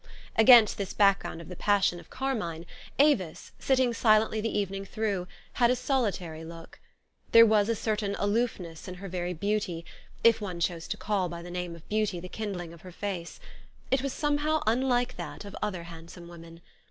Against this background of the passion of car mine, Avis, sitting silently the evening through, had a solitary look. There was a certain aloofness in her very beauty, if one chose to call by the name of beauty the kindling of her face : it was somehow THE STORY OF AVIS. 15 unlike that of other handsome women.